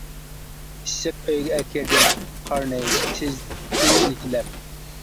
ئىسسىق ئۆيگە ئەكىردىم، قارنى تىزدىن يېتىلەپ.